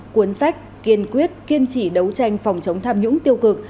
cuốn sách kiên quyết kiên trì đấu tranh phòng chống tham nhũng tiêu cực